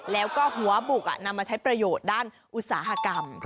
แล้วก็หัวบุกนำมาใช้ประโยชน์ด้านอุตสาหกรรม